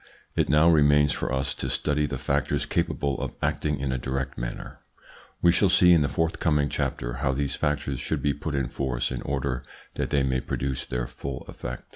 It now remains for us to study the factors capable of acting in a direct manner. We shall see in a forthcoming chapter how these factors should be put in force in order that they may produce their full effect.